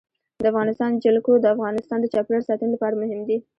د افغانستان جلکو د افغانستان د چاپیریال ساتنې لپاره مهم دي.